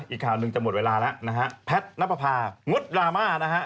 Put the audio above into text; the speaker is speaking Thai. อีกข่าวหนึ่งจะหมดเวลาแล้วนะฮะแพดณปภางุฒรามานะฮะ